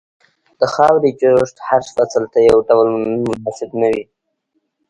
د خاورې جوړښت هر فصل ته یو ډول مناسب نه وي.